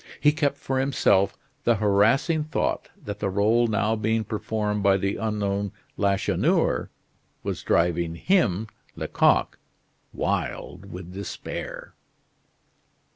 He kept for himself the harassing thought that the role now being performed by the unknown Lacheneur was driving him Lecoq wild with despair.